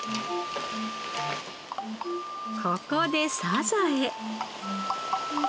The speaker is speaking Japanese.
ここでサザエ。